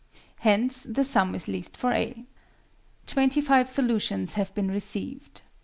Hence the sum is least for A. Twenty five solutions have been received.